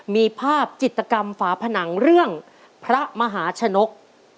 มีภาพจิตกรรมฝาผนังเรื่องพระมหาชนก